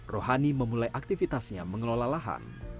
rohani memulai aktivitasnya mengelola lahan